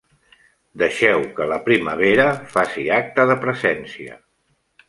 Deixeu que la primavera faci acte de presència!